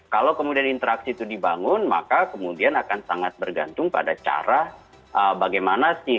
kalau kemudian interaksi itu dibangun maka kemudian akan sangat bergantung pada cara bagaimana sih